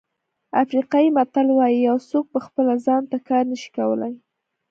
افریقایي متل وایي یو څوک په خپله ځان ته کار نه شي کولای.